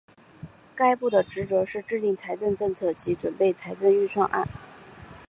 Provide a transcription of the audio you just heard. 该部的职责是制定财政政策及准备财政预算案。